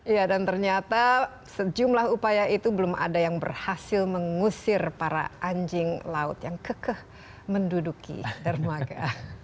iya dan ternyata sejumlah upaya itu belum ada yang berhasil mengusir para anjing laut yang kekeh menduduki dermaga